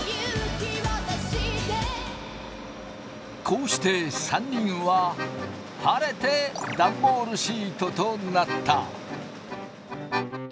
こうして３人は晴れてダンボールシートとなった。